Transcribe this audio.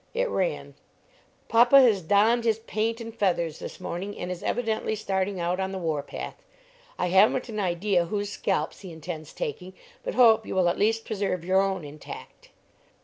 It ran: "Papa has donned his paint and feathers this morning and is evidently starting out on the war path. I haven't an idea whose scalps he intends taking, but hope you will at least preserve your own intact."